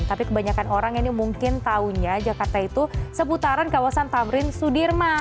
tapi kebanyakan orang ini mungkin tahunya jakarta itu seputaran kawasan tamrin sudirman